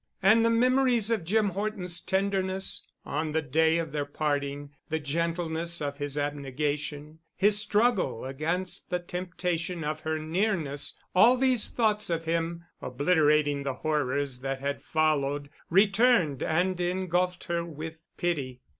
And the memories of Jim Horton's tenderness on the day of their parting, the gentleness of his abnegation, his struggle against the temptation of her nearness—all these thoughts of him obliterating the horrors that had followed, returned and engulfed her with pity.